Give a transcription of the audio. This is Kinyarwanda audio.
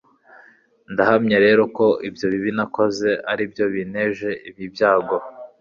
ndahamya rero ko ibyo bibi nakoze ari byo binteje ibi byago